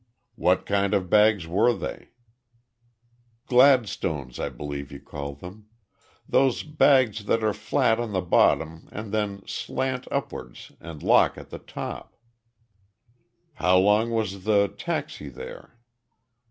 "What kind of bags were they?" "Gladstones, I believe you call them. Those bags that are flat on the bottom and then slant upward and lock at the top." "How long was the taxi there?"